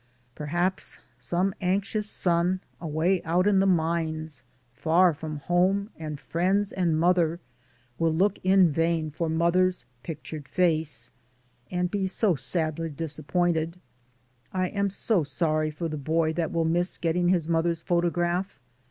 Perhaps some anxious son, away out in 82 DAYS ON THE ROAD. the mineSj far from home and friends and mother, will look in vain for mother's pic tured face, and be so sadly disappointed. I am so sorry for the boy that will miss getting his mother's photograph.